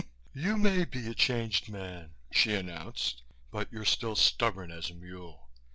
"You may be a changed man," she announced, "but you're still stubborn as a mule.